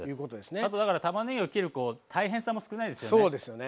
あとたまねぎを切る大変さも少ないですよね。